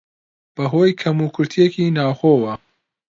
بەهۆی کەموکورتییەکی ناوخۆوە